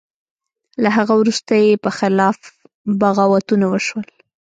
له هغه وروسته یې په خلاف بغاوتونه وشول.